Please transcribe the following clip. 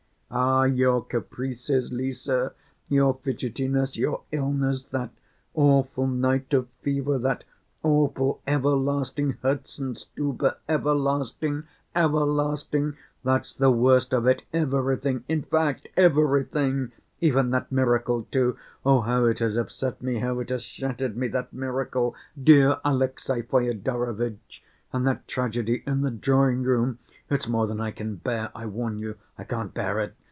"Ah, your caprices, Lise, your fidgetiness, your illness, that awful night of fever, that awful everlasting Herzenstube, everlasting, everlasting, that's the worst of it! Everything, in fact, everything.... Even that miracle, too! Oh, how it has upset me, how it has shattered me, that miracle, dear Alexey Fyodorovitch! And that tragedy in the drawing‐room, it's more than I can bear, I warn you. I can't bear it.